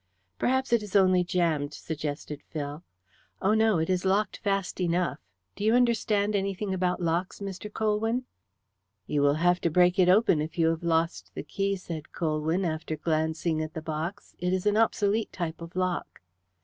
"Perhaps it is only jammed," suggested Phil. "Oh, no, it is locked fast enough. Do you understand anything about locks, Mr. Colwyn?" "You will have to break it open if you have lost the key," said Colwyn, after glancing at the box. "It is an obsolete type of lock."